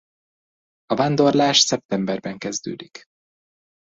A vándorlás szeptemberben kezdődik.